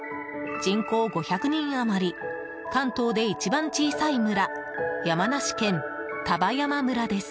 人口５００人余り関東で一番小さい村山梨県丹波山村です。